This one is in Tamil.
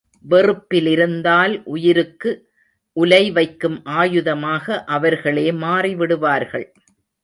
வெறுப்பிருந்தால் உயிருக்கு உலை வைக்கும் ஆயுதமாக அவர்களே மாறிவிடுவார்கள்.